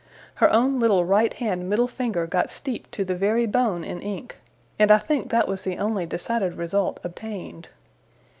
Her own little right hand middle finger got steeped to the very bone in ink; and I think that was the only decided result obtained.